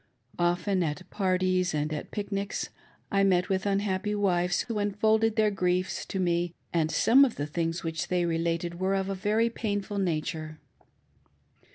Often at parties and at pic nics I met with unhappy wives who unfolded their griefs to me, and some of the things which they related were of a very painful nature.